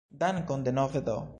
Dankon denove do!